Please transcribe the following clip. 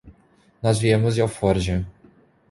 Nós viemos de Alforja.